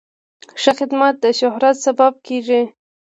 ښه خدمت د شهرت سبب کېږي.